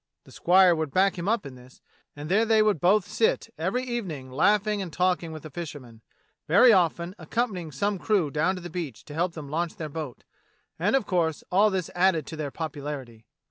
The squire would back him up in this, and there they would both sit every evening laughing and talking with the fishermen, very often accompanying some crew down to the beach to help them launch their boat — and of course all this added to their popularity.